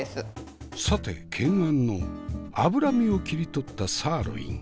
さて懸案の脂身を切り取ったサーロイン。